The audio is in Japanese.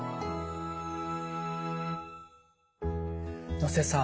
能瀬さん